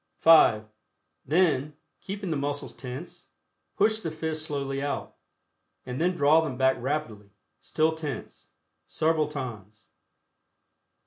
(5) Then, keeping the muscles tense, push the fists slowly out, and then draw them back rapidly (still tense) several times.